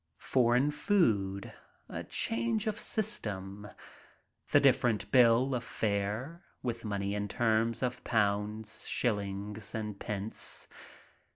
Foreign food — a change of system — the different bill of fare, with money in terms of pounds, shillings, and pence.